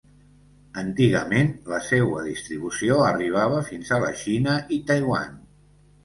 Antigament, la seua distribució arribava fins a la Xina i Taiwan.